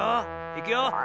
いくよ。